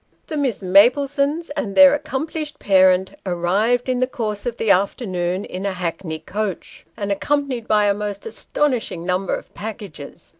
The Miss Maplesones and their accomplished parent arrived in the course of the afternoon in a hackney coach, and accompanied by a most astonishing number of packages.